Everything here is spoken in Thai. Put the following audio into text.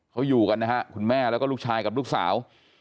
เขาอยู่กันนะฮะคุณแม่แล้วก็ลูกชายกับลูกสาว